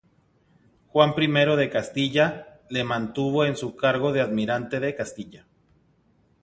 Juan I de Castilla le mantuvo en su cargo de almirante de Castilla.